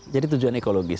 jadi tujuan ekologis